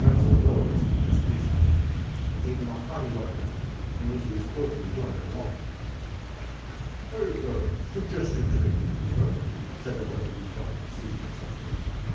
Hirzel rose as Frieshardt entered, and gave him a hearty welcome, in which he was cordially joined by Walter. "I have got a suggestion to make to you, neighbor," said the well to do farmer, seating himself near the fire.